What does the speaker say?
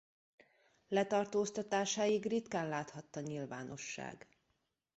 Letartóztatásáig ritkán láthatta nyilvánosság.